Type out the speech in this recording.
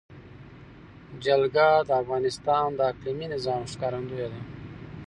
جلګه د افغانستان د اقلیمي نظام ښکارندوی ده.